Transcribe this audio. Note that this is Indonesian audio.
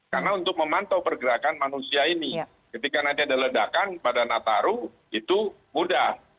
karena untuk memantau pergerakan manusia ini ketika nanti ada ledakan pada nataru itu mudah